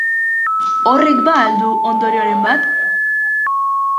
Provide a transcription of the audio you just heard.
Horrek ba al du ondorioren bat?